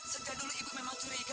sejak dulu hipnotis itu